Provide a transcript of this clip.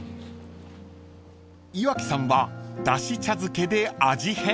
［岩城さんはだし茶漬けで味変］